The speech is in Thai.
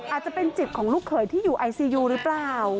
อาจจะเป็นจิตของลูกเขยที่อยู่ไอซียูหรือเปล่า